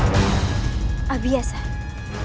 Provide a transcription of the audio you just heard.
apakah ini usahanya